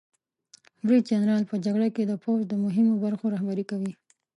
برید جنرال په جګړه کې د پوځ د مهمو برخو رهبري کوي.